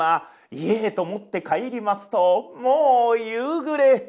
家へと持って帰りますともう夕暮れ。